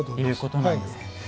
いうことなんですね。